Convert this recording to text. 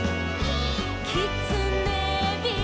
「きつねび」「」